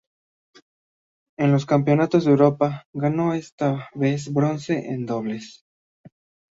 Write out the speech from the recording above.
En los Campeonato de Europa, ganó esta vez bronce en dobles.